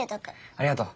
ありがとう。